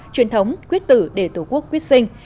truyền thống quyết tử để tổ quốc quyết sinh